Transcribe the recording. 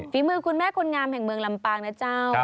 ฝีมือคุณแม่คนงามแห่งเมืองลำปางนะเจ้า